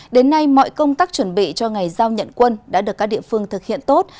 đến nay mọi công tác chuẩn bị cho ngày giao nhận quân đã được các địa phương thực hiện tốt